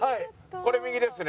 これ右ですね。